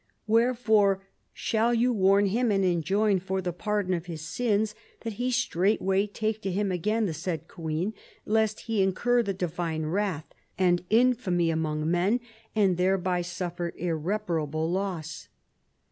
Wherefore shall you warn him, and enjoin for the pardon of his sins that he straightway take to him again the said queen, lest he incur the divine wrath, and infamy among men, a^d thereby suffer irreparable loss."